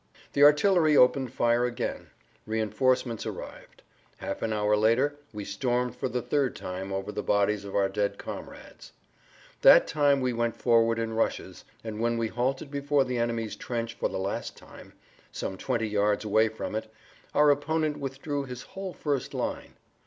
The artillery opened fire again; reinforcements arrived. Half an hour later we stormed for the third time over the bodies of our dead comrades. That time we went forward in rushes, and when we halted before the enemy's trench for the last time, some twenty yards away from it, our opponent withdrew his whole first line.